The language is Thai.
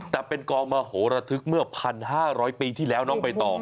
แต่เป็นกองมโหระทึกเมื่อ๑๕๐๐ปีที่แล้วน้องใบตอง